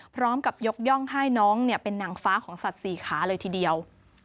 พร้อมกับยกย่องให้น้องเป็นนางฟ้าของสัตว์สี่ขาเลยทีเดียว